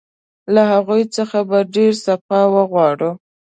له هغوی څخه به ډېر سپاه وغواړم.